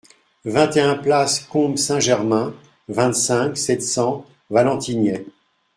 vingt et un place Combes Saint-Germain, vingt-cinq, sept cents, Valentigney